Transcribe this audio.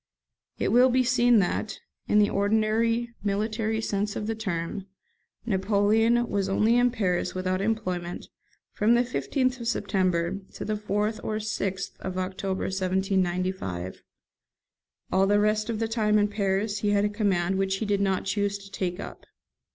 It will be seen that, in the ordinary military sense of the term, Napoleon was only in Paris without employment from the 15th of September to the 4th or 6th of October 1795; all the rest of the time in Paris he had a command which he did not choose to take up.